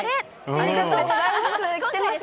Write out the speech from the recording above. ありがとうございます。